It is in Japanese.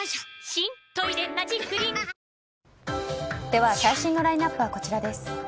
では、最新のラインアップはこちらです。